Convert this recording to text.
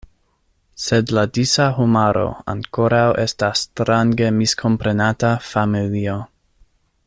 Sed la disa homaro ankoraŭ estas strange miskomprenata familio.